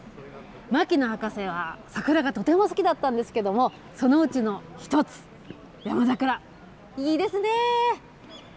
牧野博士は桜がとても好きだったんですけど、そのうちの一つ、ヤマザクラ、いいですね。